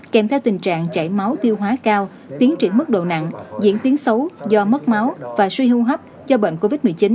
kèm theo tình trạng chảy máu tiêu hóa cao tiến triển mức độ nặng diễn tiến xấu do mất máu và suy hô hấp cho bệnh covid một mươi chín